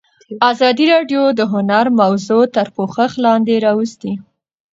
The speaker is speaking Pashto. ازادي راډیو د هنر موضوع تر پوښښ لاندې راوستې.